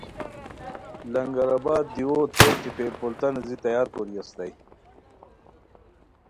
لنگر آباد دیوو تیل ٹیپئے پولتہ نیزی تیار کوری استائے